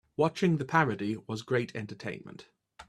Watching the parody was great entertainment.